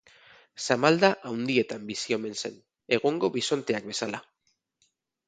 Samalda handietan bizi omen zen, egungo bisonteak bezala.